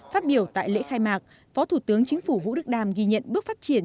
phát biểu tại lễ khai mạc phó thủ tướng chính phủ vũ đức đam ghi nhận bước phát triển